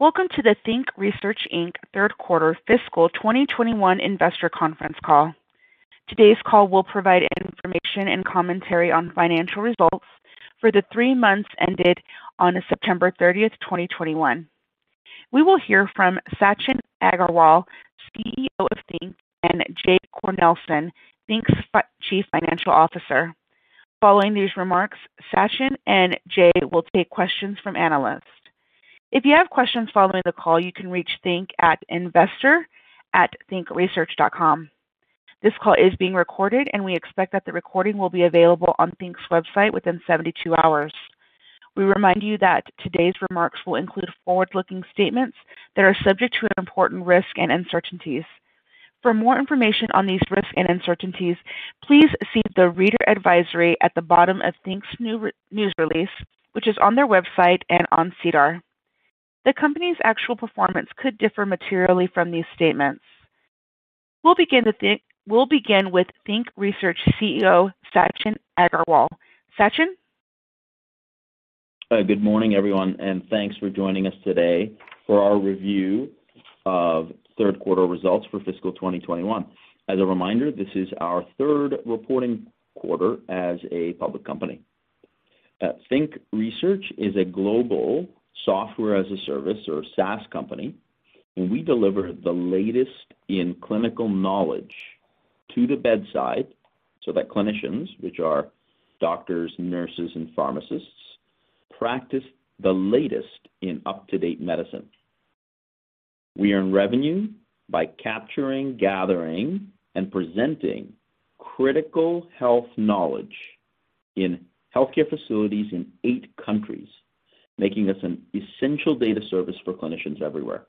Welcome to the Think Research Inc third quarter fiscal 2021 investor conference call. Today's call will provide information and commentary on financial results for the three months ended on September 30th, 2021. We will hear from Sachin Aggarwal, CEO of Think, and Jae Cornelssen, Think's Chief Financial Officer. Following these remarks, Sachin and Jay will take questions from analysts. If you have questions following the call, you can reach Think at investor@thinkresearch.com. This call is being recorded, and we expect that the recording will be available on Think's website within 72 hours. We remind you that today's remarks will include forward-looking statements that are subject to important risk and uncertainties. For more information on these risks and uncertainties, please see the reader advisory at the bottom of Think's news release, which is on their website and on SEDAR. The company's actual performance could differ materially from these statements. We'll begin with Think Research CEO, Sachin Aggarwal. Sachin. Good morning, everyone, and thanks for joining us today for our review of third quarter results for fiscal 2021. As a reminder, this is our third reporting quarter as a public company. Think Research is a global software as a service or a SaaS company, and we deliver the latest in clinical knowledge to the bedside so that clinicians, which are doctors, nurses, and pharmacists, practice the latest in up-to-date medicine. We earn revenue by capturing, gathering, and presenting critical health knowledge in healthcare facilities in eight countries, making us an essential data service for clinicians everywhere.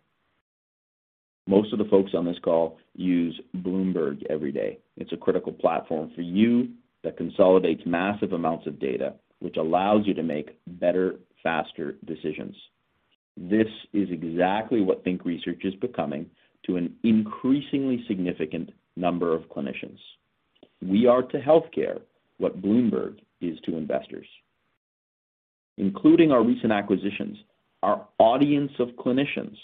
Most of the folks on this call use Bloomberg every day. It's a critical platform for you that consolidates massive amounts of data, which allows you to make better, faster decisions. This is exactly what Think Research is becoming to an increasingly significant number of clinicians. We are to healthcare what Bloomberg is to investors. Including our recent acquisitions, our audience of clinicians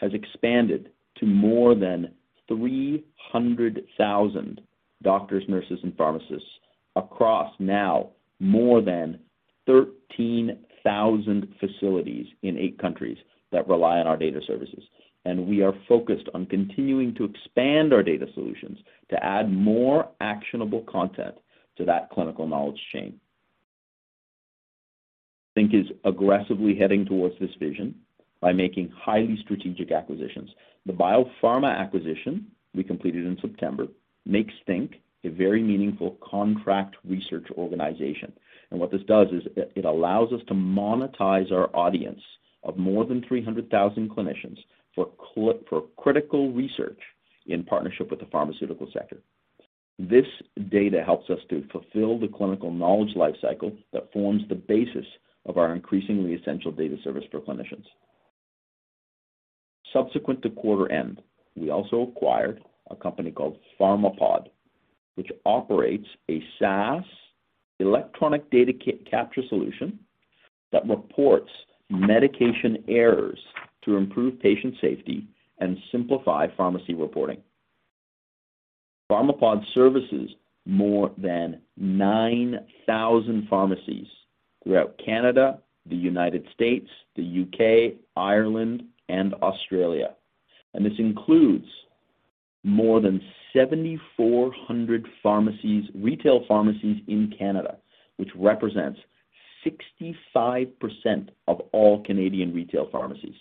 has expanded to more than 300,000 doctors, nurses, and pharmacists across now more than 13,000 facilities in eight countries that rely on our data services. We are focused on continuing to expand our data solutions to add more actionable content to that clinical knowledge chain. Think is aggressively heading towards this vision by making highly strategic acquisitions. The BioPharma acquisition we completed in September makes Think a very meaningful contract research organization. What this does is it allows us to monetize our audience of more than 300,000 clinicians for critical research in partnership with the pharmaceutical sector. This data helps us to fulfill the clinical knowledge life cycle that forms the basis of our increasingly essential data service for clinicians. Subsequent to quarter-end, we also acquired a company called Pharmapod, which operates a SaaS electronic data capture solution that reports medication errors to improve patient safety and simplify pharmacy reporting. Pharmapod services more than 9,000 pharmacies throughout Canada, the United States, the U.K., Ireland, and Australia. This includes more than 7,400 pharmacies, retail pharmacies in Canada, which represents 65% of all Canadian retail pharmacies.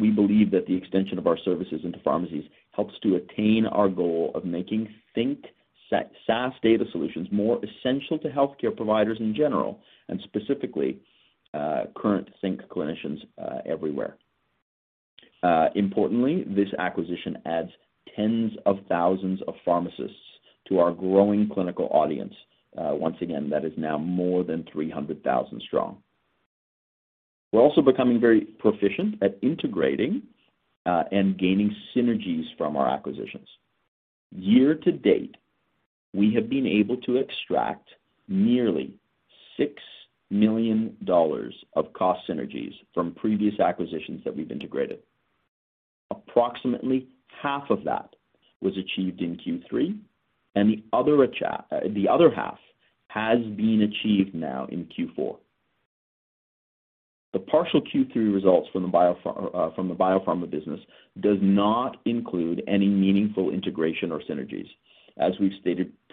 We believe that the extension of our services into pharmacies helps to attain our goal of making Think SaaS data solutions more essential to healthcare providers in general, and specifically, current Think clinicians, everywhere. Importantly, this acquisition adds tens of thousands of pharmacists to our growing clinical audience. Once again, that is now more than 300,000 strong. We're also becoming very proficient at integrating and gaining synergies from our acquisitions. Year to date, we have been able to extract nearly 6 million dollars of cost synergies from previous acquisitions that we've integrated. Approximately half of that was achieved in Q3, and the other half has been achieved now in Q4. The partial Q3 results from the BioPharma business does not include any meaningful integration or synergies. As we've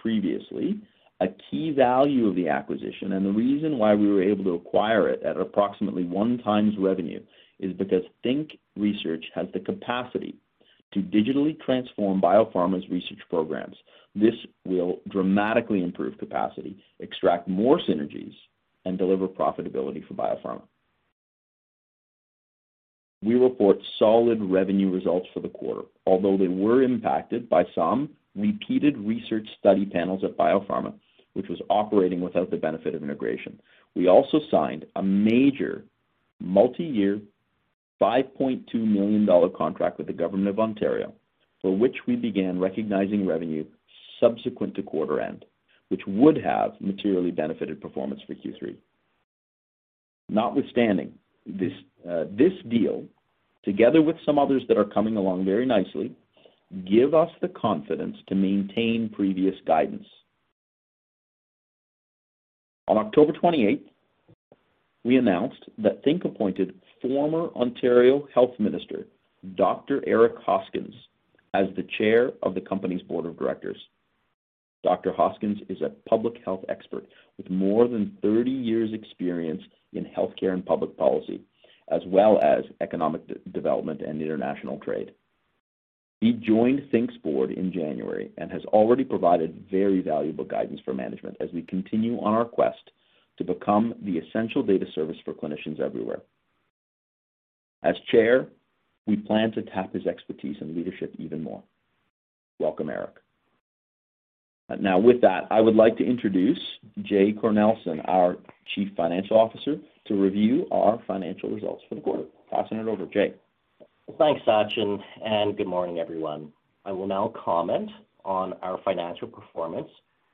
stated previously, a key value of the acquisition and the reason why we were able to acquire it at approximately 1x revenue is because Think Research has the capacity to digitally transform BioPharma's research programs. This will dramatically improve capacity, extract more synergies, and deliver profitability for BioPharma. We report solid revenue results for the quarter, although they were impacted by some repeated research study panels at BioPharma, which was operating without the benefit of integration. We also signed a major multi-year 5.2 million dollar contract with the Government of Ontario, for which we began recognizing revenue subsequent to quarter end, which would have materially benefited performance for Q3. Notwithstanding this deal, together with some others that are coming along very nicely, give us the confidence to maintain previous guidance. On October 28th, we announced that Think appointed former Ontario Health Minister Dr. Eric Hoskins as the Chair of the company's board of directors. Dr. Hoskins is a public health expert with more than 30 years experience in healthcare and public policy, as well as economic development and international trade. He joined Think's board in January and has already provided very valuable guidance for management as we continue on our quest to become the essential data service for clinicians everywhere. As Chair, we plan to tap his expertise and leadership even more. Welcome, Eric. Now, with that, I would like to introduce Jae Cornelssen, our Chief Financial Officer, to review our financial results for the quarter. Passing it over, Jae. Thanks, Sachin, and good morning, everyone. I will now comment on our financial performance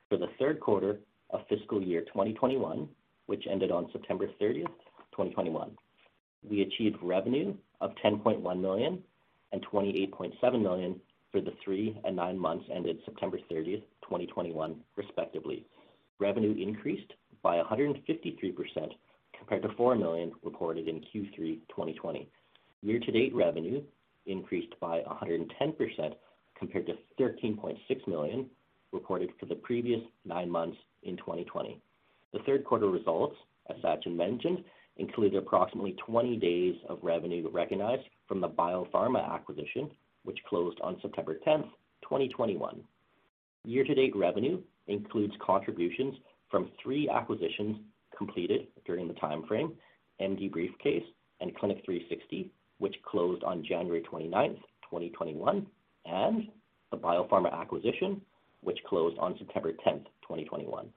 for the third quarter of fiscal year 2021, which ended on September 30th, 2021. We achieved revenue of 10.1 million and 28.7 million for the three and nine months ended September 30th, 2021 respectively. Revenue increased by 153% compared to 4 million reported in Q3 2020. Year-to-date revenue increased by 110% compared to 13.6 million reported for the previous nine months in 2020. The third quarter results, as Sachin mentioned, include approximately 20 days of revenue recognized from the BioPharma acquisition, which closed on September 10th, 2021. Year-to-date revenue includes contributions from three acquisitions completed during the time frame, MDBriefCase and Clinic 360, which closed on January 29th, 2021, and the BioPharma acquisition, which closed on September 10th, 2021.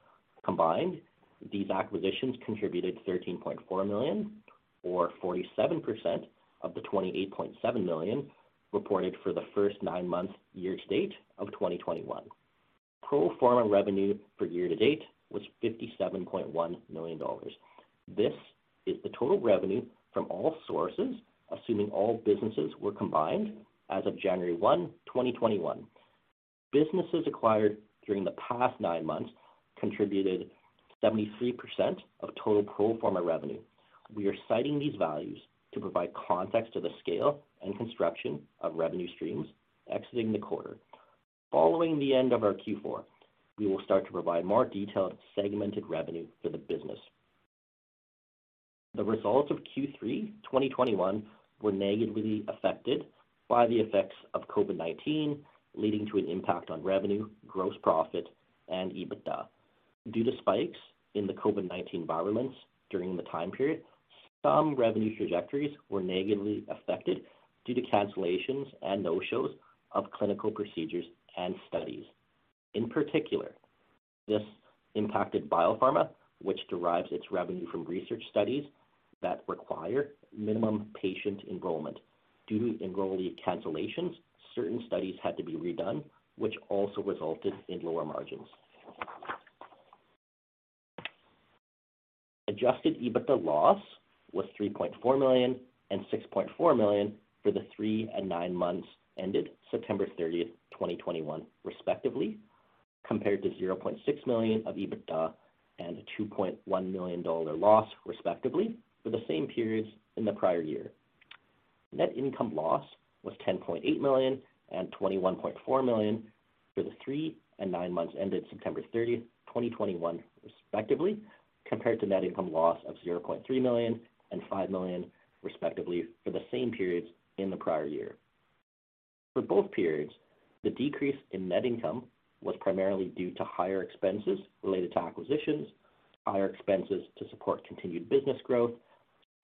Combined, these acquisitions contributed 13.4 million or 47% of the 28.7 million reported for the first nine-month year-to-date of 2021. Pro forma revenue for year-to-date was 57.1 million dollars. This is the total revenue from all sources, assuming all businesses were combined as of January 1, 2021. Businesses acquired during the past nine months contributed 73% of total pro forma revenue. We are citing these values to provide context to the scale and construction of revenue streams exiting the quarter. Following the end of our Q4, we will start to provide more detailed segmented revenue for the business. The results of Q3 2021 were negatively affected by the effects of COVID-19, leading to an impact on revenue, gross profit, and EBITDA. Due to spikes in the COVID-19 variants during the time period, some revenue trajectories were negatively affected due to cancellations and no-shows of clinical procedures and studies. In particular, this impacted BioPharma, which derives its revenue from research studies that require minimum patient enrollment. Due to enrollee cancellations, certain studies had to be redone, which also resulted in lower margins. Adjusted EBITDA loss was 3.4 million and 6.4 million for the three and nine months ended September 30, 2021 respectively, compared to CAD 0.6 million of EBITDA and a CAD 2.1 million loss, respectively, for the same periods in the prior year. Net income loss was 10.8 million and 21.4 million for the three and nine months ended September 30th, 2021 respectively, compared to net income loss of 0.3 million and 5 million, respectively, for the same periods in the prior year. For both periods, the decrease in net income was primarily due to higher expenses related to acquisitions, higher expenses to support continued business growth,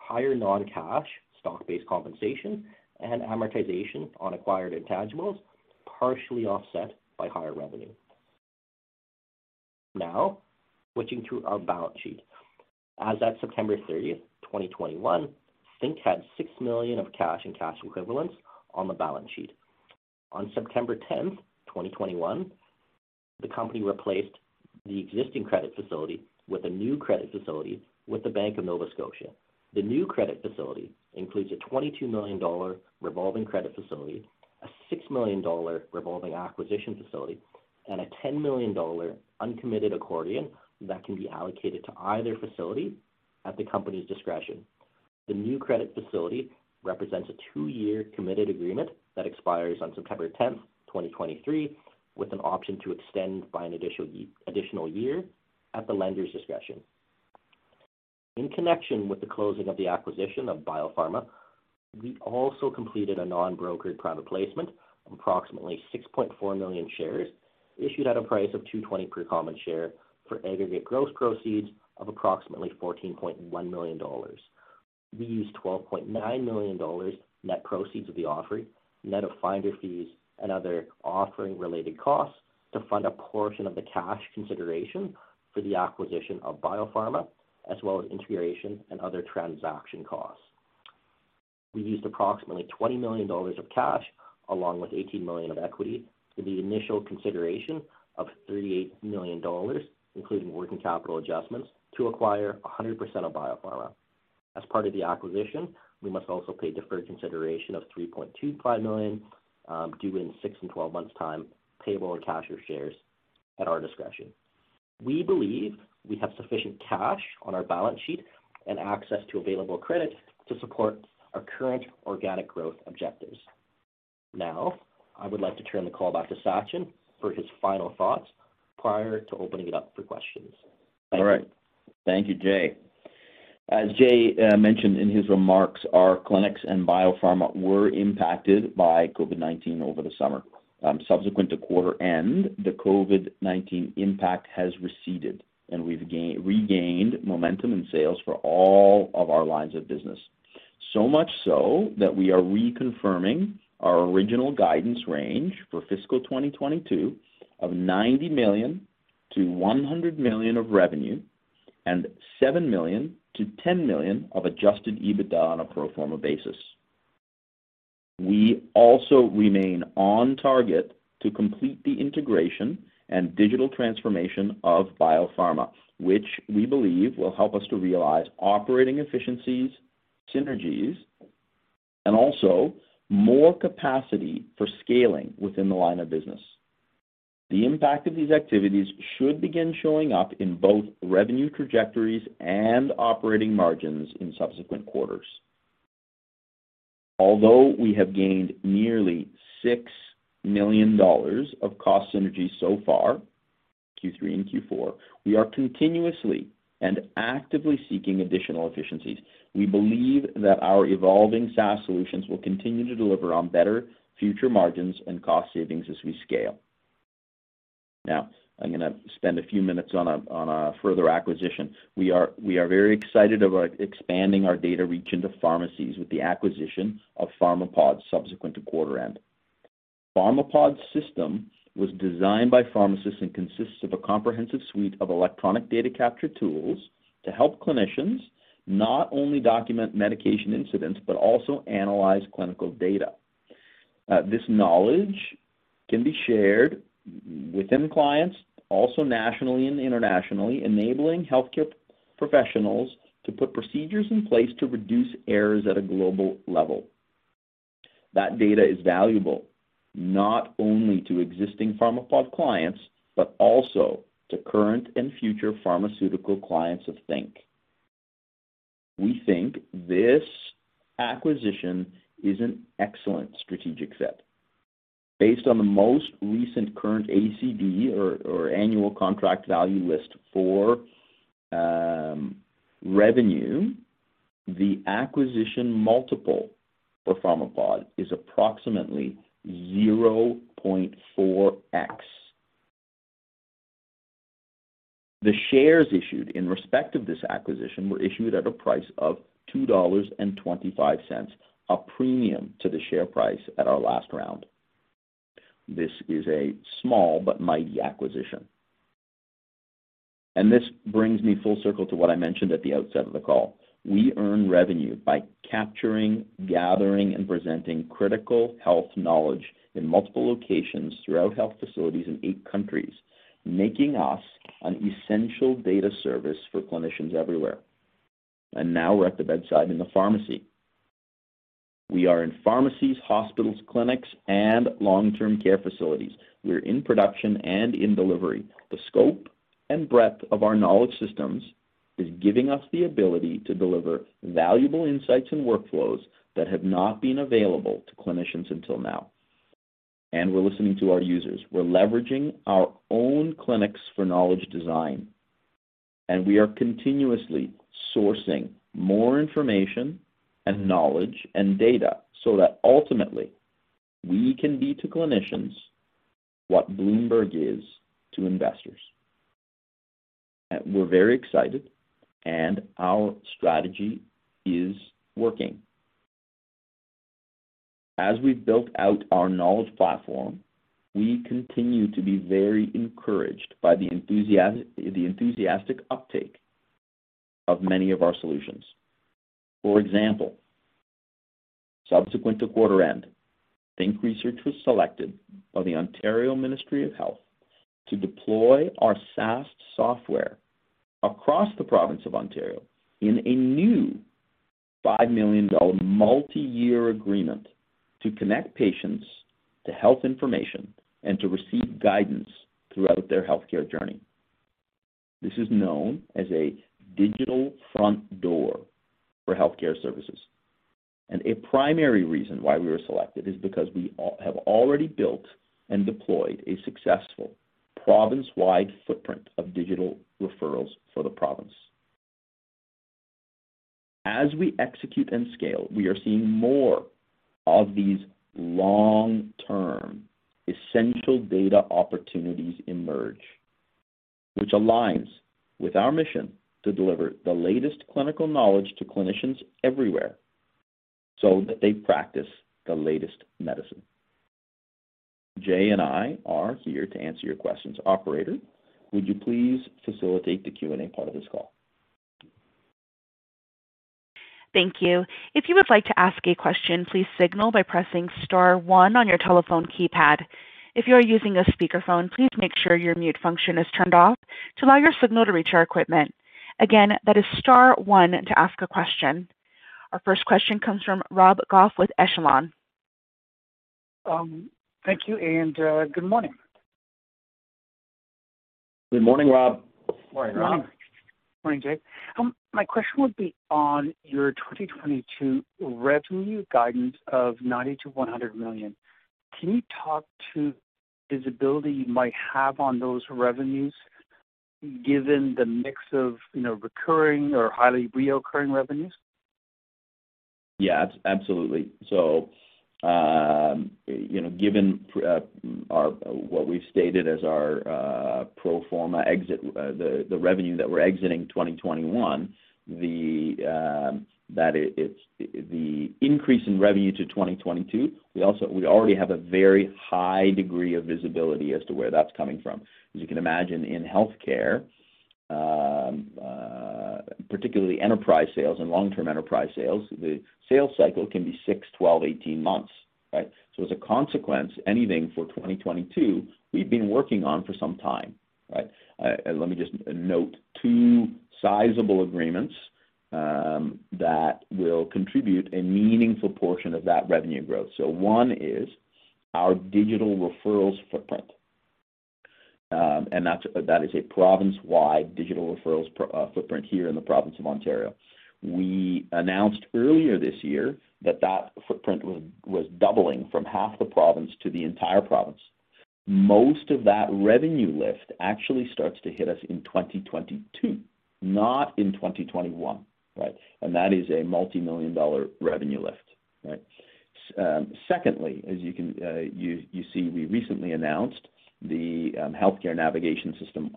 higher non-cash stock-based compensation, and amortization on acquired intangibles, partially offset by higher revenue. Now, switching to our balance sheet. As at September 30th, 2021, Think had 6 million of cash and cash equivalents on the balance sheet. On September 10th, 2021, the company replaced the existing credit facility with a new credit facility with the Bank of Nova Scotia. The new credit facility includes a 22 million dollar revolving credit facility, a 6 million dollar revolving acquisition facility, and a 10 million dollar uncommitted accordion that can be allocated to either facility at the company's discretion. The new credit facility represents a two-year committed agreement that expires on September 10th, 2023, with an option to extend by an additional year at the lender's discretion. In connection with the closing of the acquisition of BioPharma, we also completed a non-brokered private placement of approximately 6.4 million shares issued at a price of 2.20 per common share for aggregate gross proceeds of approximately 14.1 million dollars. We used 12.9 million dollars net proceeds of the offering, net of finder fees and other offering-related costs to fund a portion of the cash consideration for the acquisition of BioPharma, as well as integration and other transaction costs. We used approximately 20 million dollars of cash along with 18 million of equity for the initial consideration of 38 million dollars, including working capital adjustments to acquire 100% of BioPharma. As part of the acquisition, we must also pay deferred consideration of 3.25 million, due in six and twelve months' time, payable in cash or shares at our discretion. We believe we have sufficient cash on our balance sheet and access to available credit to support our current organic growth objectives. Now, I would like to turn the call back to Sachin for his final thoughts prior to opening it up for questions. All right. Thank you, Jae. As Jae mentioned in his remarks, our clinics and BioPharma were impacted by COVID-19 over the summer. Subsequent to quarter end, the COVID-19 impact has receded, and we've regained momentum in sales for all of our lines of business. So much so that we are reconfirming our original guidance range for fiscal 2022 of 90 million-100 million of revenue and 7 million-10 million of adjusted EBITDA on a pro forma basis. We also remain on target to complete the integration and digital transformation of BioPharma, which we believe will help us to realize operating efficiencies, synergies, and also more capacity for scaling within the line of business. The impact of these activities should begin showing up in both revenue trajectories and operating margins in subsequent quarters. Although we have gained nearly 6 million dollars of cost synergies so far, Q3 and Q4, we are continuously and actively seeking additional efficiencies. We believe that our evolving SaaS solutions will continue to deliver on better future margins and cost savings as we scale. Now, I'm gonna spend a few minutes on a further acquisition. We are very excited about expanding our data reach into pharmacies with the acquisition of Pharmapod subsequent to quarter end. Pharmapod's system was designed by pharmacists and consists of a comprehensive suite of electronic data capture tools to help clinicians not only document medication incidents, but also analyze clinical data. This knowledge can be shared within clients, also nationally and internationally, enabling healthcare professionals to put procedures in place to reduce errors at a global level. That data is valuable, not only to existing Pharmapod clients, but also to current and future pharmaceutical clients of Think. We think this acquisition is an excellent strategic fit. Based on the most recent current ACV or annual contract value list for revenue, the acquisition multiple for Pharmapod is approximately 0.4x. The shares issued in respect of this acquisition were issued at a price of 2.25 dollars, a premium to the share price at our last round. This is a small but mighty acquisition. This brings me full circle to what I mentioned at the outset of the call. We earn revenue by capturing, gathering, and presenting critical health knowledge in multiple locations throughout health facilities in eight countries, making us an essential data service for clinicians everywhere. Now we're at the bedside in the pharmacy. We are in pharmacies, hospitals, clinics, and long-term care facilities. We're in production and in delivery. The scope and breadth of our knowledge systems is giving us the ability to deliver valuable insights and workflows that have not been available to clinicians until now. We're listening to our users. We're leveraging our own clinics for knowledge design, and we are continuously sourcing more information and knowledge and data so that ultimately we can be to clinicians what Bloomberg is to investors. We're very excited, and our strategy is working. As we've built out our knowledge platform, we continue to be very encouraged by the enthusiastic uptake of many of our solutions. For example, subsequent to quarter end, Think Research was selected by the Ontario Ministry of Health to deploy our SaaS software across the province of Ontario in a new 5 million dollar multi-year agreement to connect patients to health information and to receive guidance throughout their healthcare journey. This is known as a digital front door for healthcare services. A primary reason why we were selected is because we have already built and deployed a successful province-wide footprint of digital referrals for the province. As we execute and scale, we are seeing more of these long-term essential data opportunities emerge, which aligns with our mission to deliver the latest clinical knowledge to clinicians everywhere so that they practice the latest medicine. Jae and I are here to answer your questions. Operator, would you please facilitate the Q&A part of this call? Thank you. If you would like to ask a question, please signal by pressing star one on your telephone keypad. If you are using a speakerphone, please make sure your mute function is turned off to allow your signal to reach our equipment. Again, that is star one to ask a question. Our first question comes from Rob Goff with Echelon. Thank you and good morning. Good morning, Rob. Morning, Rob. Morning, Jae. My question would be on your 2022 revenue guidance of 90 million-100 million. Can you talk to visibility you might have on those revenues given the mix of, you know, recurring or highly recurring revenues? Yeah, absolutely. You know, given our, what we've stated as our, pro forma exit, the revenue that we're exiting 2021, the increase in revenue to 2022, we already have a very high degree of visibility as to where that's coming from. As you can imagine in healthcare, particularly enterprise sales and long-term enterprise sales, the sales cycle can be six, 12, 18 months, right? As a consequence, anything for 2022 we've been working on for some time, right? Let me just note two sizable agreements that will contribute a meaningful portion of that revenue growth. One is our digital referrals footprint. That is a province-wide digital referrals footprint here in the province of Ontario. We announced earlier this year that footprint was doubling from half the province to the entire province. Most of that revenue lift actually starts to hit us in 2022, not in 2021, right? That is a multi-million dollar revenue lift, right? Secondly, as you can see, we recently announced the healthcare navigation system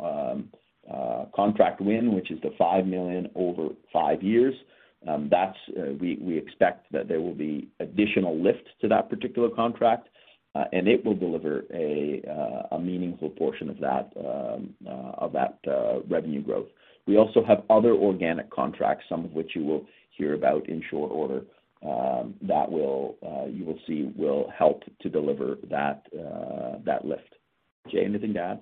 contract win, which is the 5 million over five years. We expect that there will be additional lifts to that particular contract, and it will deliver a meaningful portion of that revenue growth. We also have other organic contracts, some of which you will hear about in short order, that will, you will see, will help to deliver that lift. Jae, anything to add?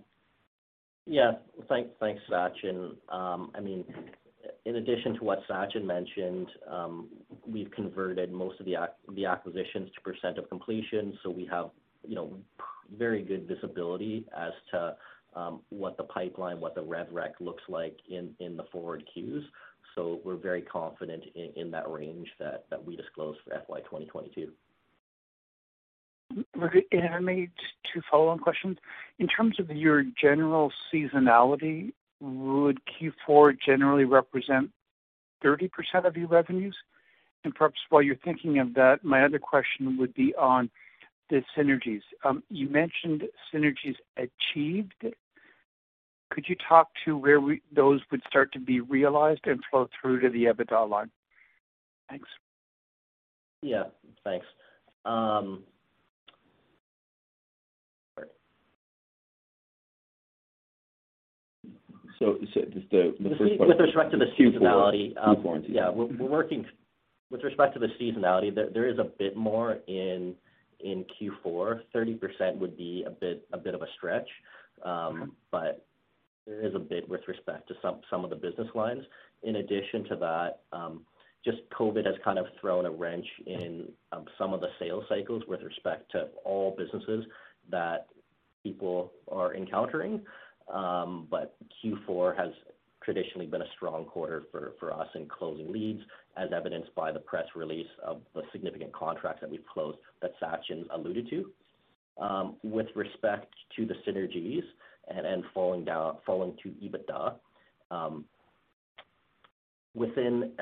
Yeah. Thanks, Sachin. I mean, in addition to what Sachin mentioned, we've converted most of the acquisitions to percentage of completion, so we have, you know, very good visibility as to what the pipeline, what the rev rec looks like in the forward queues. We're very confident in that range that we disclosed for FY 2022. Okay. Maybe just two follow-on questions. In terms of your general seasonality, would Q4 generally represent 30% of your revenues? Perhaps while you're thinking of that, my other question would be on the synergies. You mentioned synergies achieved. Could you talk to where those would start to be realized and flow through to the EBITDA line? Thanks. Yeah, thanks. With respect to the seasonality, there is a bit more in Q4. 30% would be a bit of a stretch. There is a bit with respect to some of the business lines. In addition to that, just COVID has kind of thrown a wrench in some of the sales cycles with respect to all businesses that people are encountering. Q4 has traditionally been a strong quarter for us in closing leads, as evidenced by the press release of the significant contracts that we've closed that Sachin alluded to. With respect to the synergies and falling to EBITDA,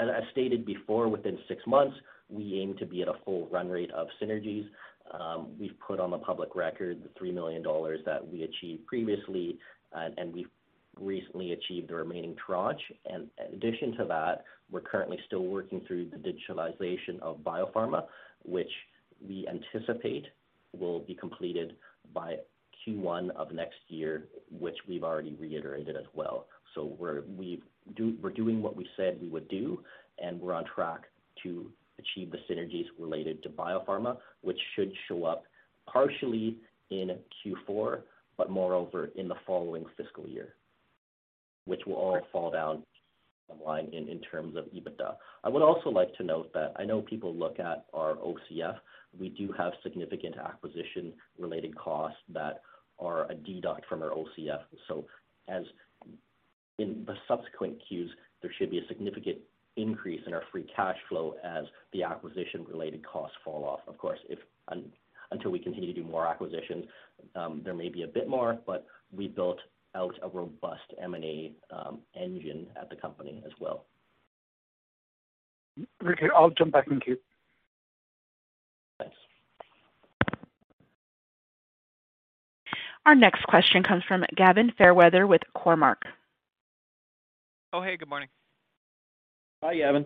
as stated before, within six months, we aim to be at a full run rate of synergies. We've put on the public record the 3 million dollars that we achieved previously, and we've recently achieved the remaining tranche. In addition to that, we're currently still working through the digitalization of BioPharma, which we anticipate will be completed by Q1 of next year, which we've already reiterated as well. We're doing what we said we would do, and we're on track to achieve the synergies related to BioPharma, which should show up partially in Q4, but moreover in the following fiscal year, which will all fall down the line in terms of EBITDA. I would also like to note that I know people look at our OCF. We do have significant acquisition-related costs that are a deduction from our OCF. In the subsequent quarters, there should be a significant increase in our free cash flow as the acquisition-related costs fall off. Of course, until we continue to do more acquisitions, there may be a bit more, but we built out a robust M&A engine at the company as well. Okay. I'll jump back in queue. Yes. Our next question comes from Gavin Fairweather with Cormark. Oh, hey. Good morning. Hi, Gavin.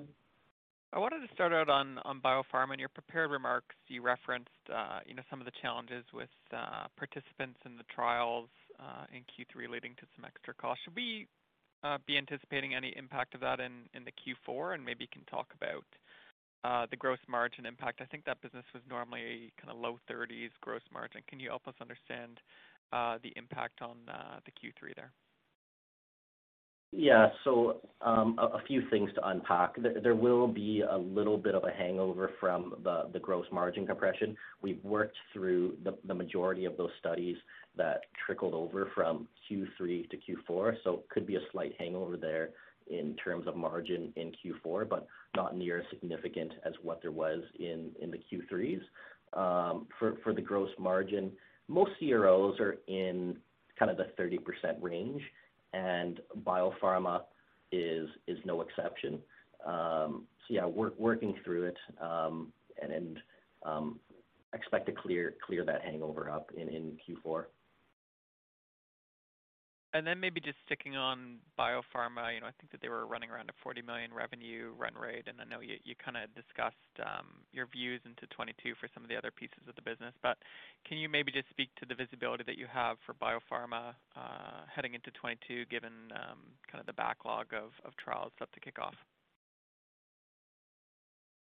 I wanted to start out on BioPharma. In your prepared remarks, you referenced some of the challenges with participants in the trials in Q3 leading to some extra costs. Should we be anticipating any impact of that in the Q4? Maybe you can talk about the gross margin impact. I think that business was normally kinda low thirties gross margin. Can you help us understand the impact on the Q3 there? Yeah. A few things to unpack. There will be a little bit of a hangover from the gross margin compression. We've worked through the majority of those studies that trickled over from Q3 to Q4, so could be a slight hangover there in terms of margin in Q4, but not near as significant as what there was in the Q3s. For the gross margin, most CROs are in kind of the 30% range, and BioPharma is no exception. Yeah, working through it, and then expect to clear that hangover up in Q4. Maybe just sticking on BioPharma. You know, I think that they were running around a 40 million revenue run rate, and I know you kinda discussed your views into 2022 for some of the other pieces of the business. Can you maybe just speak to the visibility that you have for BioPharma, heading into 2022, given kinda the backlog of trials about to kick off?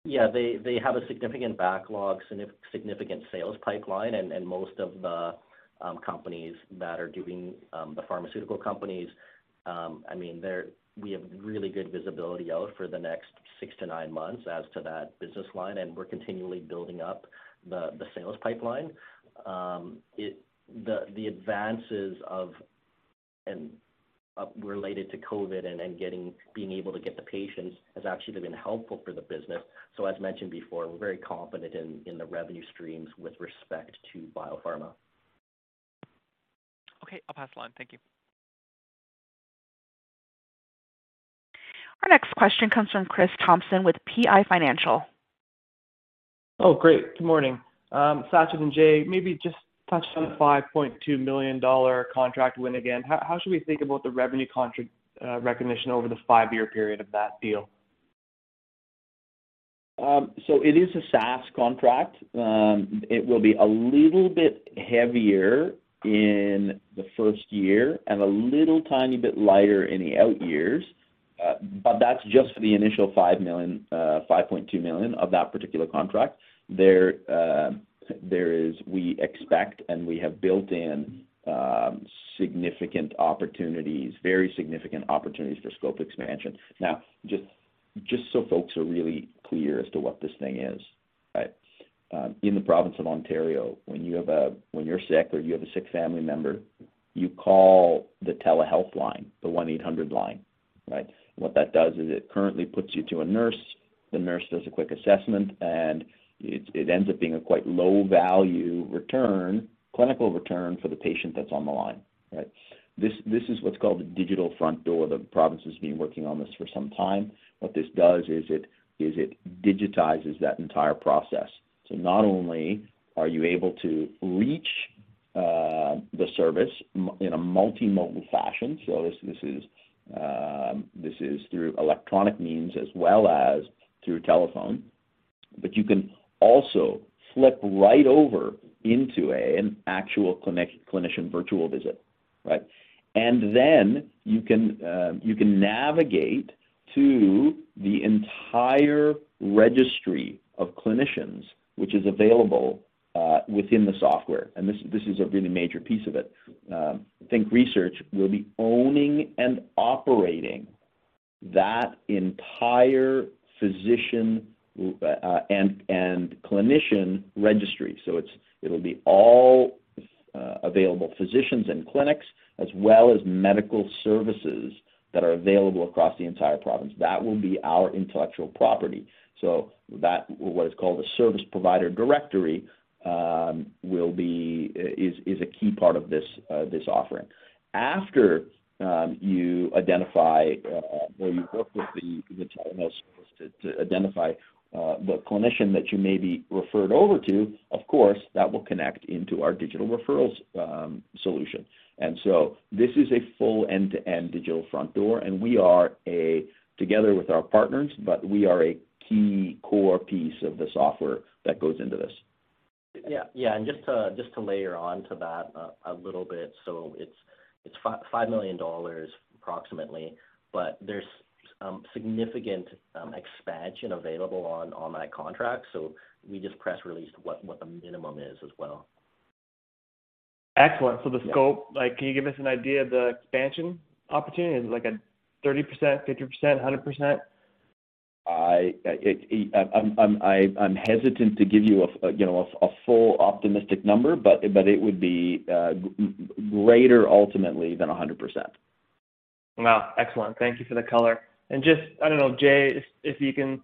They have a significant backlog, significant sales pipeline. Most of the pharmaceutical companies, I mean, we have really good visibility out for the next six to nine months as to that business line, and we're continually building up the sales pipeline. The advances and related to COVID and being able to get the patients has actually been helpful for the business. As mentioned before, we're very confident in the revenue streams with respect to BioPharma. Okay, I'll pass the line. Thank you. Our next question comes from Chris Thompson with PI Financial. Oh, great. Good morning. Sachin and Jay, maybe just touch on the 5.2 million dollar contract win again. How should we think about the revenue recognition over the five-year period of that deal? It is a SaaS contract. It will be a little bit heavier in the first year and a little tiny bit lighter in the out years. That's just for the initial 5 million, 5.2 million of that particular contract. There is, we expect and we have built in significant opportunities, very significant opportunities for scope expansion. Now, just so folks are really clear as to what this thing is, right? In the province of Ontario, when you're sick or you have a sick family member, you call the telehealth line, the 1-800 line, right? What that does is it currently puts you to a nurse, the nurse does a quick assessment, and it ends up being a quite low value return, clinical return for the patient that's on the line, right? This is what's called the digital front door. The province has been working on this for some time. What this does is it digitizes that entire process. Not only are you able to reach the service in a multimodal fashion. This is through electronic means as well as through telephone. You can also flip right over into an actual clinician virtual visit, right? You can navigate to the entire registry of clinicians which is available within the software. This is a really major piece of it. Think Research will be owning and operating that entire physician and clinician registry. It'll be all available physicians and clinics as well as medical services that are available across the entire province. That will be our intellectual property. That, what is called a service provider directory, will be a key part of this offering. After you identify or you work with the telemedicine to identify the clinician that you may be referred over to, of course that will connect into our digital referrals solution. This is a full end-to-end digital front door, and we are together with our partners, but we are a key core piece of the software that goes into this. Yeah. Yeah. Just to layer on to that a little bit, so it's 5 million dollars approximately, but there's significant expansion available on that contract, so we just press released what the minimum is as well. Excellent. Yeah. The scope, like can you give us an idea of the expansion opportunity? Is it like a 30%, 50%, a 100%? I'm hesitant to give you a, you know, a full optimistic number, but it would be greater ultimately than 100%. Wow. Excellent. Thank you for the color. Just, I don't know, Jae, if you can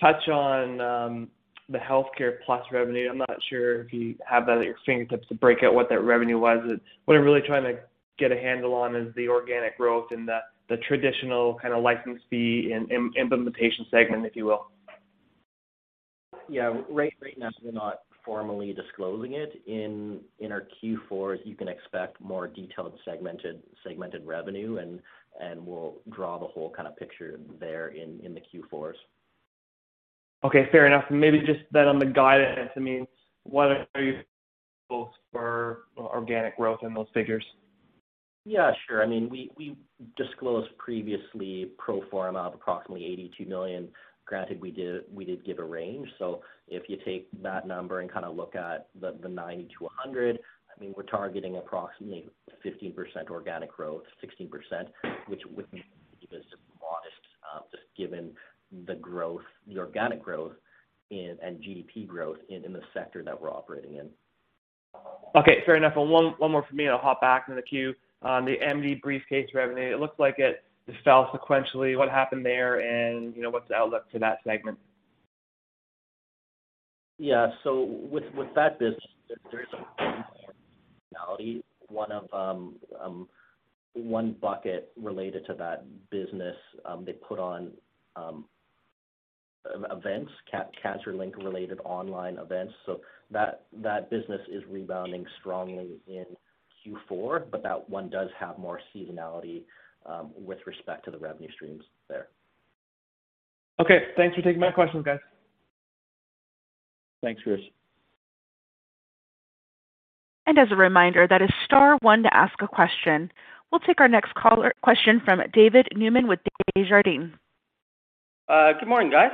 touch on the HealthCare Plus revenue. I'm not sure if you have that at your fingertips to break out what that revenue was. What I'm really trying to get a handle on is the organic growth and the traditional kinda license fee and implementation segment, if you will. Yeah. Right now we're not formally disclosing it. In our Q4, you can expect more detailed segmented revenue and we'll draw the whole kind of picture there in the Q4s. Okay. Fair enough. Maybe just then on the guidance, I mean, what are your goals for organic growth in those figures? Yeah, sure. I mean, we disclosed previously pro forma of approximately 82 million. Granted, we did give a range. If you take that number and kind of look at the 90 million-100 million, I mean, we're targeting approximately 15% organic growth, 16%, which would be modest, just given the growth, the organic growth in and GDP growth in the sector that we're operating in. Okay. Fair enough. One more from me, and I'll hop back in the queue. On the MDBriefCase revenue, it looks like it fell sequentially. What happened there, and, you know, what's the outlook for that segment? Yeah. With that business, there's a seasonality. One bucket related to that business, they put on events, CancerLinQ-related online events. That business is rebounding strongly in Q4, but that one does have more seasonality with respect to the revenue streams there. Okay. Thanks for taking my questions, guys. Thanks, Chris. As a reminder, that is star one to ask a question. We'll take our next caller question from David Newman with Desjardins. Good morning, guys.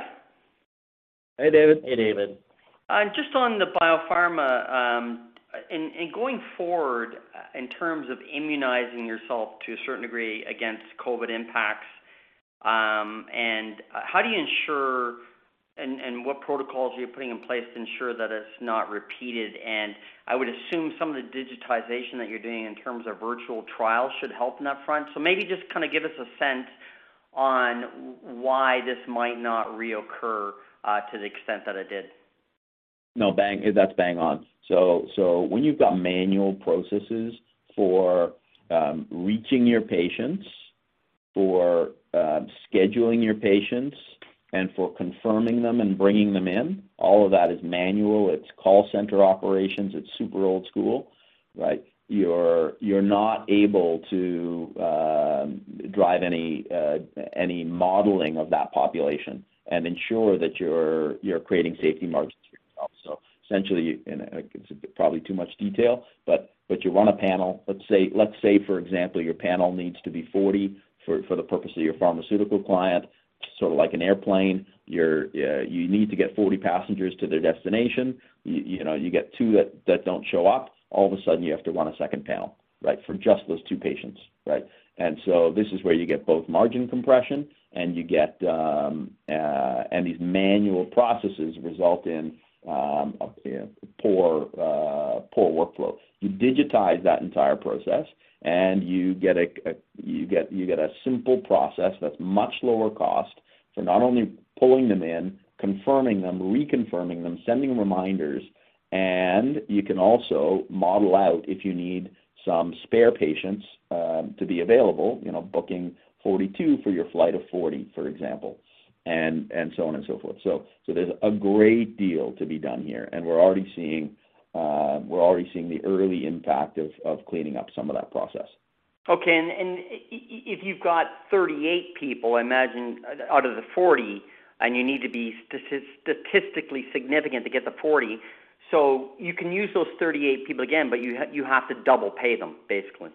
Hey, David. Hey, David. Just on the BioPharma, and going forward in terms of immunizing yourself to a certain degree against COVID impacts, and how do you ensure what protocols are you putting in place to ensure that it's not repeated? I would assume some of the digitization that you're doing in terms of virtual trials should help in that front. Maybe just kind of give us a sense on why this might not reoccur, to the extent that it did. No, bang. That's bang on. When you've got manual processes for reaching your patients, for scheduling your patients and for confirming them and bringing them in, all of that is manual. It's call center operations. It's super old school, right? You're not able to drive any modeling of that population and ensure that you're creating safety margins for yourself. Essentially, and it's probably too much detail, but you run a panel. Let's say, for example, your panel needs to be 40 for the purpose of your pharmaceutical client, sort of like an airplane. You need to get 40 passengers to their destination. You know, you get two that don't show up. All of a sudden you have to run a second panel, right? For just those two patients, right? This is where you get both margin compression and these manual processes result in poor workflow. You digitize that entire process, and you get a simple process that's much lower cost for not only pulling them in, confirming them, reconfirming them, sending reminders. You can also model out if you need some spare patients to be available, you know, booking 42 for your flight of 40, for example, and so on and so forth. There's a great deal to be done here. We're already seeing the early impact of cleaning up some of that process. If you've got 38 people, I imagine out of the 40 and you need to be statistically significant to get the 40. You can use those 38 people again, but you have to double pay them, basically.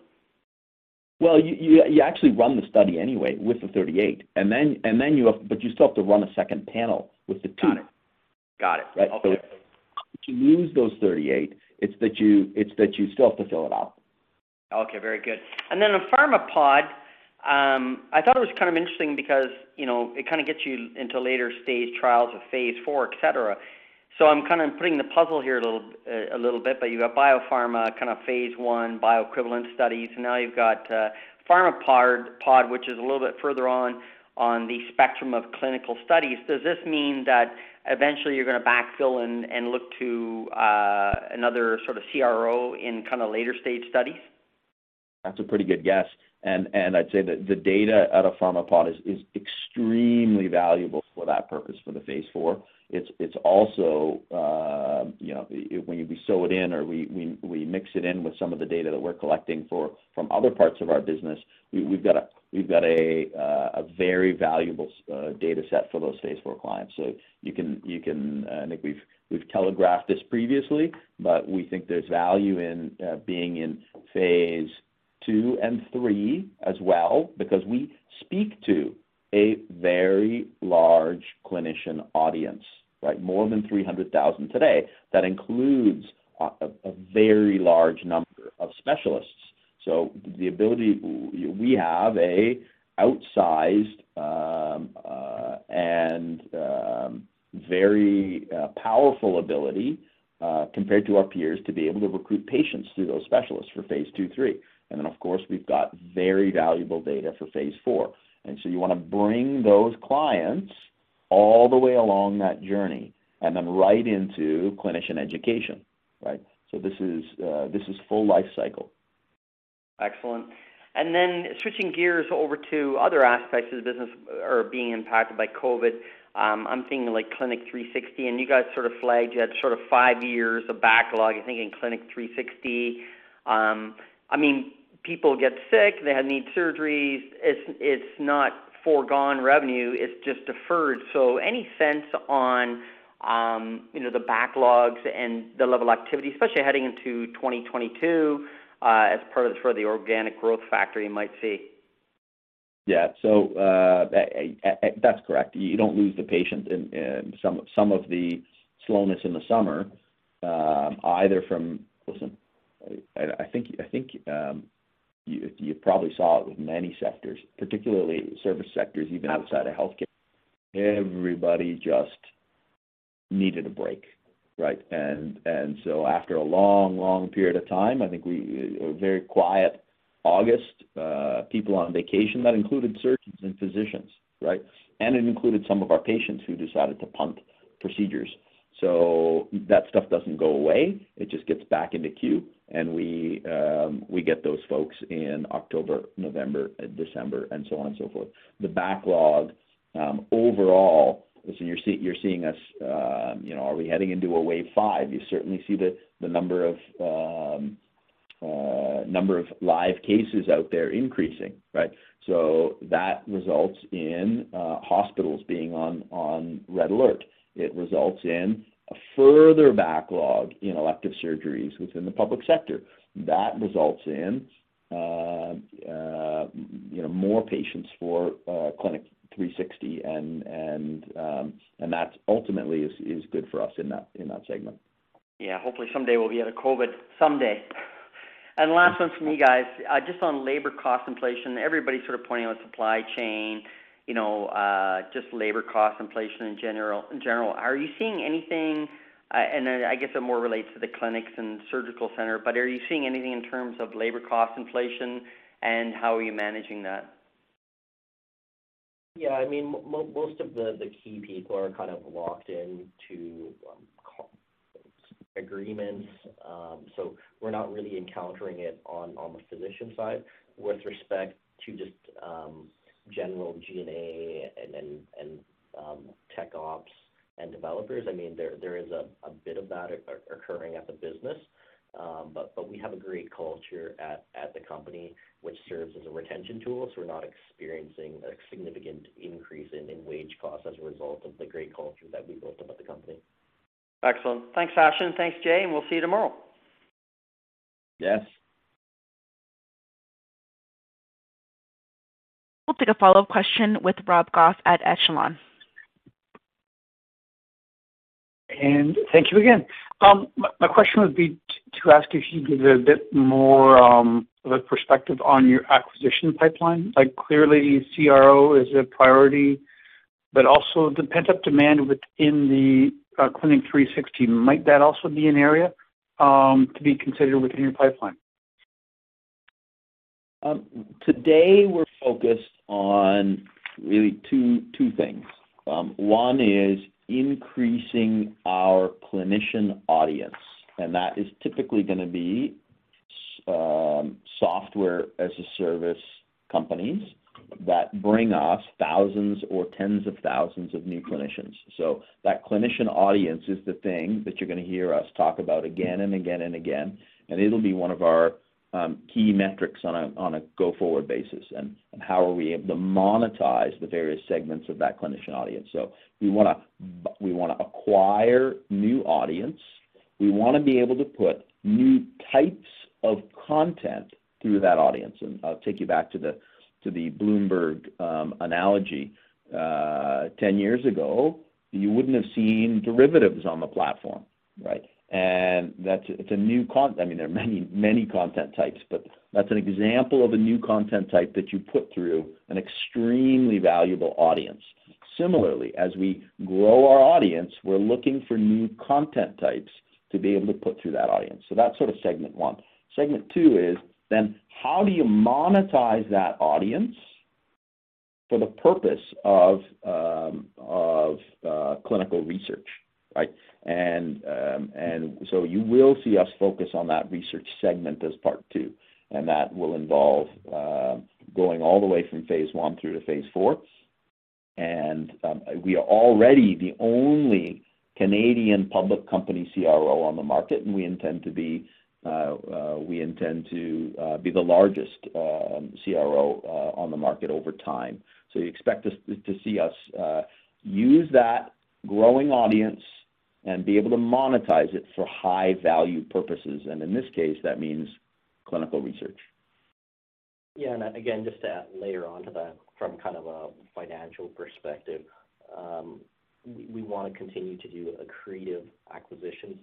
Well, you actually run the study anyway with the 38, and then you still have to run a second panel with the two. Got it. Right. If you lose those 38, it's that you still have to fill it out. Okay. Very good. On Pharmapod, I thought it was kind of interesting because, you know, it kind of gets you into later stage trials of phase IV, et cetera. I'm kind of putting the puzzle together a little bit, but you got BioPharma kind of phase I, bioequivalent studies. Now you've got Pharmapod, which is a little bit further on the spectrum of clinical studies. Does this mean that eventually you're gonna backfill and look to another sort of CRO in kind of later stage studies? That's a pretty good guess. I'd say that the data out of Pharmapod is extremely valuable for that purpose, for phase IV. It's also, you know, when you sew it in or we mix it in with some of the data that we're collecting from other parts of our business, we've got a very valuable data set for those phase IV clients. You can, I think we've telegraphed this previously, but we think there's value in being in phase II and III as well because we speak to a very large clinician audience, right? More than 300,000 today. That includes a very large number of specialists. We have an outsized and very powerful ability compared to our peers to be able to recruit patients through those specialists for phase II, III. Of course, we've got very valuable data for phase IV. You wanna bring those clients all the way along that journey and then right into clinician education, right? This is full life cycle. Excellent. Switching gears over to other aspects of the business are being impacted by COVID. I'm thinking like Clinic 360, and you guys sort of flagged, you had sort of 5 years of backlog, I think, in Clinic 360. I mean, people get sick, they need surgeries. It's not foregone revenue, it's just deferred. Any sense on, you know, the backlogs and the level of activity, especially heading into 2022, as part of sort of the organic growth factor you might see? Yeah, that's correct. You don't lose the patient in some of the slowness in the summer, either. Listen, I think you probably saw it with many sectors, particularly service sectors, even outside of healthcare. Everybody just needed a break, right? So after a long period of time, I think we were very quiet August, people on vacation. That included surgeons and physicians, right? It included some of our patients who decided to postpone procedures. That stuff doesn't go away. It just gets back in the queue. We get those folks in October, November, December, and so on and so forth. The backlog overall, listen, you're seeing us. Are we heading into a wave five? You certainly see the number of live cases out there increasing, right? That results in hospitals being on red alert. It results in a further backlog in elective surgeries within the public sector. That results in you know, more patients for Clinic 360, and that ultimately is good for us in that segment. Yeah. Hopefully someday we'll be out of COVID. Someday. Last one from me, guys, just on labor cost inflation. Everybody's sort of pointing out supply chain, you know, just labor cost inflation in general. Are you seeing anything? I guess it more relates to the clinics and surgical center, but are you seeing anything in terms of labor cost inflation? How are you managing that? Yeah, I mean, most of the key people are kind of locked into comp agreements. We're not really encountering it on the physician side. With respect to just general G&A and tech ops and developers, I mean, there is a bit of that occurring at the business. We have a great culture at the company, which serves as a retention tool. We're not experiencing a significant increase in wage costs as a result of the great culture that we built up at the company. Excellent. Thanks, Sachin. Thanks, Jae. We'll see you tomorrow. Yes. We'll take a follow-up question with Rob Goff at Echelon. Thank you again. My question would be to ask if you could give a bit more of a perspective on your acquisition pipeline. Like, clearly, CRO is a priority, but also the pent-up demand within the Clinic 360, might that also be an area to be considered within your pipeline? Today we're focused on really two things. One is increasing our clinician audience, and that is typically gonna be software as a service companies that bring us thousands or tens of thousands of new clinicians. That clinician audience is the thing that you're gonna hear us talk about again and again and again. It'll be one of our key metrics on a go-forward basis, and how are we able to monetize the various segments of that clinician audience. We wanna acquire new audience. We wanna be able to put new types of content through that audience. I'll take you back to the Bloomberg analogy. 10 years ago, you wouldn't have seen derivatives on the platform, right? I mean, there are many, many content types, but that's an example of a new content type that you put through an extremely valuable audience. Similarly, as we grow our audience, we're looking for new content types to be able to put through that audience. That's sort of segment one. Segment two is then how do you monetize that audience for the purpose of clinical research, right? You will see us focus on that research segment as part two, and that will involve going all the way from phase I through to phase IV. We are already the only Canadian public company CRO on the market, and we intend to be the largest CRO on the market over time. You expect us to use that growing audience and be able to monetize it for high-value purposes. In this case, that means clinical research. Yeah. Again, just to add later on to that from kind of a financial perspective, we wanna continue to do accretive acquisitions.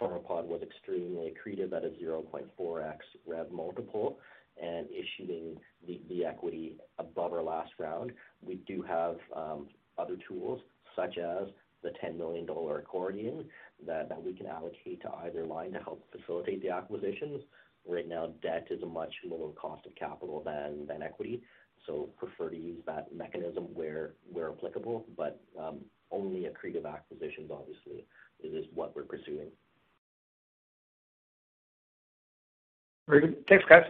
Pharmapod was extremely accretive at a 0.4x rev multiple and issuing the equity above our last round. We do have other tools such as the 10 million dollar accordion that we can allocate to either line to help facilitate the acquisitions. Right now, debt is a much lower cost of capital than equity, so prefer to use that mechanism where applicable, but only accretive acquisitions, obviously, is what we're pursuing. Very good. Thanks, guys.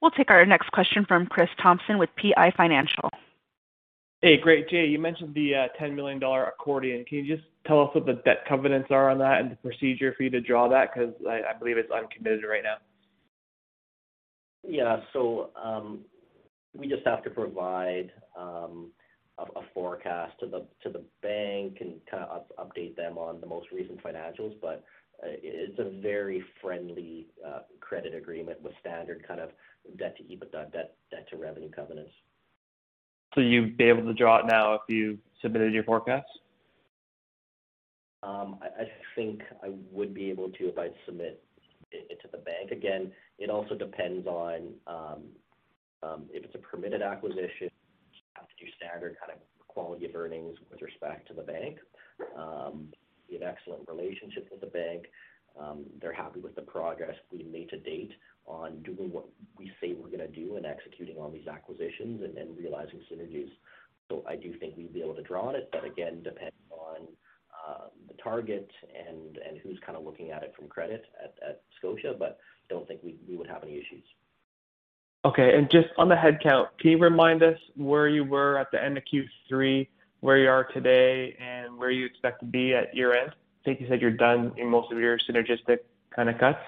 We'll take our next question from Chris Thompson with PI Financial. Hey, great. Jae, you mentioned the 10 million dollar accordion. Can you just tell us what the debt covenants are on that and the procedure for you to draw that? 'Cause I believe it's uncommitted right now. We just have to provide a forecast to the bank and kind of update them on the most recent financials. It's a very friendly credit agreement with standard kind of debt to EBITDA, debt to revenue covenants. You'd be able to draw it now if you submitted your forecast? I think I would be able to, if I submit it to the bank. Again, it also depends on if it's a permitted acquisition, you have to do standard kind of quality of earnings with respect to the bank. We have excellent relationships with the bank. They're happy with the progress we made to date on doing what we say we're gonna do and executing on these acquisitions and realizing synergies. I do think we'd be able to draw on it, but again, depends on the target and who's kind of looking at it from credit at Scotia. I don't think we would have any issues. Okay. Just on the headcount, can you remind us where you were at the end of Q3, where you are today, and where you expect to be at year-end? I think you said you're done in most of your synergistic kinda cuts.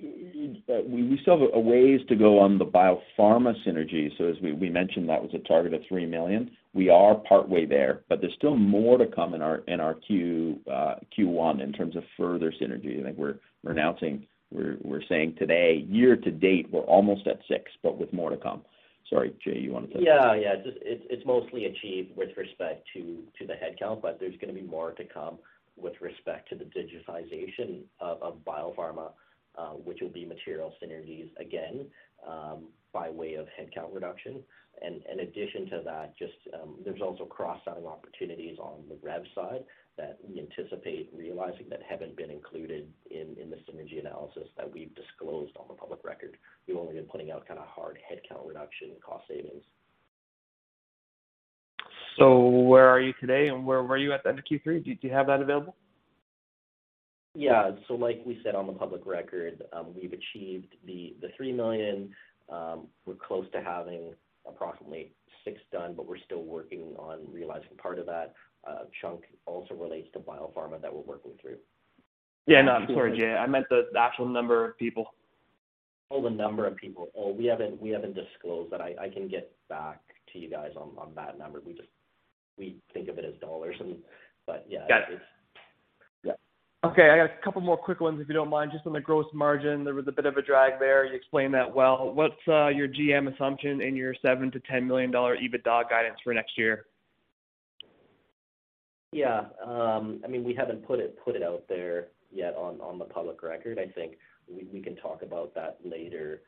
We still have a ways to go on the BioPharma synergy. As we mentioned, that was a target of 3 million. We are partway there, but there's still more to come in our Q1 in terms of further synergy. I think we're announcing. We're saying today, year to date, we're almost at 6 million, but with more to come. Sorry, Jae, you wanna take that? Yeah, yeah. Just it's mostly achieved with respect to the headcount, but there's gonna be more to come with respect to the digitization of BioPharma, which will be material synergies again by way of headcount reduction. In addition to that, just, there's also cross-selling opportunities on the rev side that we anticipate realizing that haven't been included in the synergy analysis that we've disclosed on the public record. We've only been putting out kinda hard headcount reduction cost savings. Where are you today and where were you at the end of Q3? Do you have that available? Yeah. Like we said on the public record, we've achieved the 3 million. We're close to having approximately 6 million done, but we're still working on realizing part of that. Chunk also relates to BioPharma that we're working through. Yeah, no, I'm sorry, Jae. I meant the actual number of people. Oh, the number of people. Oh, we haven't disclosed that. I can get back to you guys on that number. We think of it as dollars. Yeah. Got it. Yeah. Okay. I got a couple more quick ones if you don't mind. Just on the gross margin, there was a bit of a drag there. You explained that well. What's your GM assumption in your 7 million-10 million dollar EBITDA guidance for next year? Yeah. I mean, we haven't put it out there yet on the public record. I think we can talk about that later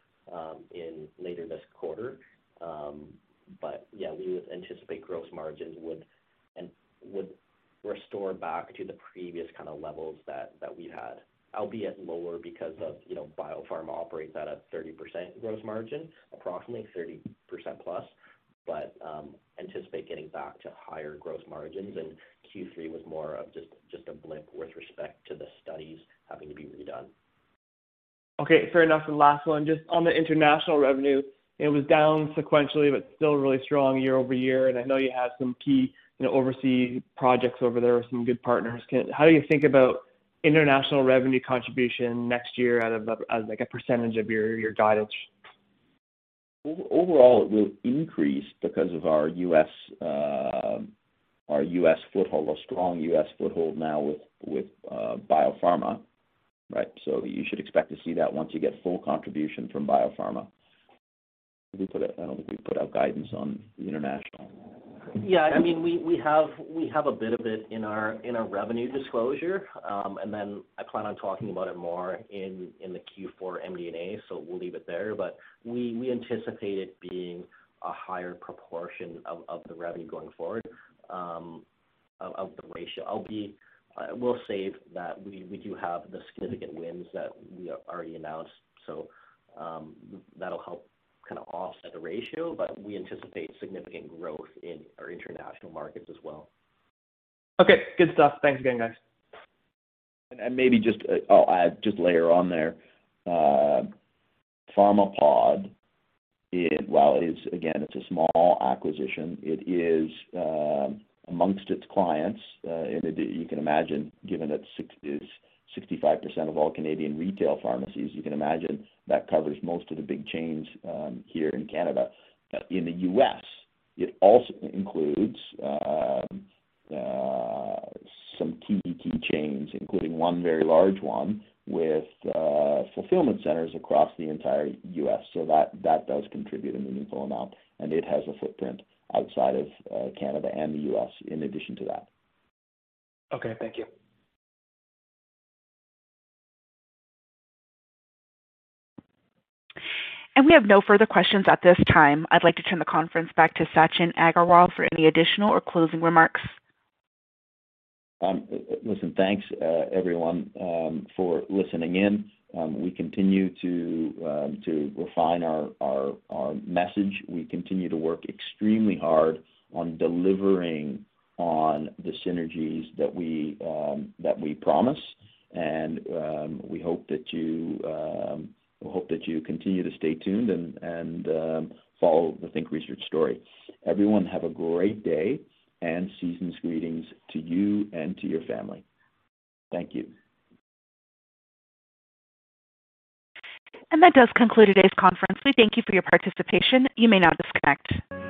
this quarter. Yeah, we would anticipate gross margins would restore back to the previous kinda levels that we had, albeit lower because of, you know, BioPharma operates at a 30% gross margin, approximately 30%+. Anticipate getting back to higher growth margins, and Q3 was more of just a blip with respect to the studies having to be redone. Okay. Fair enough. Last one, just on the international revenue, it was down sequentially, but still really strong year over year, and I know you had some key, you know, overseas projects over there with some good partners. How do you think about international revenue contribution next year out of a, as like a percentage of your guidance? Overall, it will increase because of our U.S., our U.S. foothold, our strong U.S. foothold now with BioPharma, right? You should expect to see that once you get full contribution from BioPharma. I don't think we put out guidance on international. Yeah. I mean, we have a bit of it in our revenue disclosure. I plan on talking about it more in the Q4 MD&A, so we'll leave it there. We anticipate it being a higher proportion of the revenue going forward, of the ratio. We'll save that we do have the significant wins that we already announced, so that'll help kinda offset the ratio. We anticipate significant growth in our international markets as well. Okay, good stuff. Thanks again, guys. Maybe just, I'll add just a layer on there. Pharmapod, while it is, again, it's a small acquisition, among its clients, and you can imagine given that it's 65% of all Canadian retail pharmacies, you can imagine that covers most of the big chains here in Canada. In the U.S., it also includes some key chains, including one very large one with fulfillment centers across the entire U.S., so that does contribute a meaningful amount, and it has a footprint outside of Canada and the U.S. in addition to that. Okay, thank you. We have no further questions at this time. I'd like to turn the conference back to Sachin Aggarwal for any additional or closing remarks. Listen, thanks, everyone, for listening in. We continue to refine our message. We continue to work extremely hard on delivering on the synergies that we promise. We hope that you continue to stay tuned and follow the Think Research story. Everyone, have a great day, and season's greetings to you and to your family. Thank you. That does conclude today's conference. We thank you for your participation. You may now disconnect.